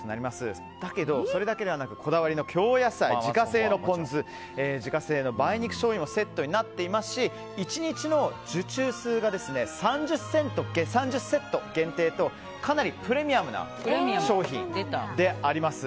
だけど、それだけではなくこだわりの京野菜自家製のポン酢自家製の梅肉しょうゆもセットになっていますし１日の受注数が３０セット限定とかなりプレミアムな商品であります。